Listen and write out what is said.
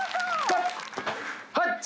はい！